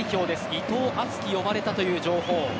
伊藤敦樹が呼ばれたという情報。